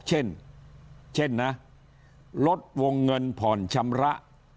เช่นลดวงเงินพรชำระ